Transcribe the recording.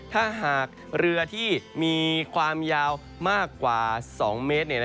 ถ้าหากเรือที่มีความยาวมากกว่า๒เมตร